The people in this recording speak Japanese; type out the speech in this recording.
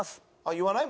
言わない？